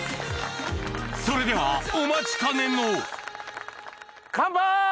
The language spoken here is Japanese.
それではお待ちかねのカンパイ！